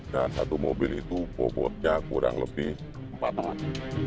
dan satu mobil itu bobotnya kurang lebih empat orang